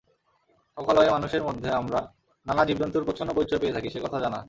লোকালয়ে মানুষের মধ্যে আমরা নানা জীবজন্তুর প্রচ্ছন্ন পরিচয় পেয়ে থাকি, সে কথা জানা।